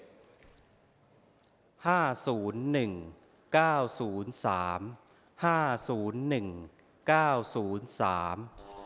ห้าศูนย์หนึ่งเก้าศูนย์สามห้าศูนย์หนึ่งเก้าศูนย์สาม